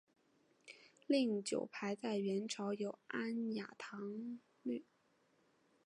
酒令牌在元朝有安雅堂觥律。